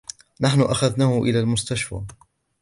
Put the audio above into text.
نحن أخذناه إلي المستشفي.